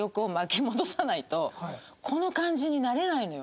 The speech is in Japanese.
この感じになれないのよ。